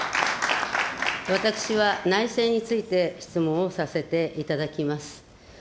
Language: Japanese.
私は内政について質問をさせていただきます。